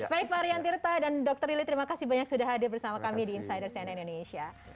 baik pak rian tirta dan dr lili terima kasih banyak sudah hadir bersama kami di insider cnn indonesia